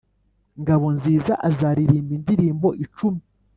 Ngabonziza azaririmba indirimbo icumi